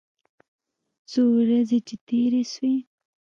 څو ورځې چې تېرې سوې.